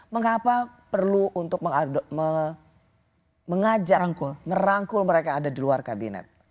mengapa perlu untuk mengajak merangkul mereka ada di luar kabinet